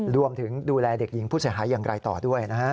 ดูแลเด็กหญิงผู้เสียหายอย่างไรต่อด้วยนะฮะ